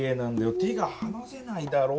手がはなせないだろう。